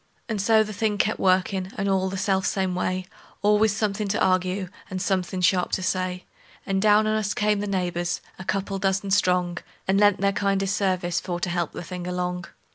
And so the thing kept workin', and all the self same way; Always somethin' to arg'e, and somethin' sharp to say; And down on us came the neighbors, a couple dozen strong, And lent their kindest sarvice for to help the thing along.